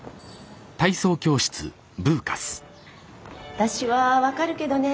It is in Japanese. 私は分かるけどね